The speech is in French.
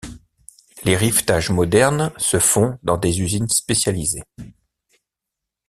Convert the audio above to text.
Les rivetages modernes se font dans des usines spécialisées.